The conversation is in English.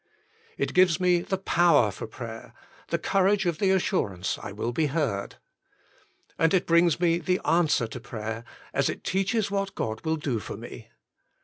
It gives me the power for praj^er, the courage of the assurance I will be heard. And it brings me the answer to prayer, as it teaches what God will do for me.